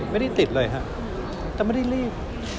ไม่ได้ติดเลยครับแต่ไม่ได้รีบ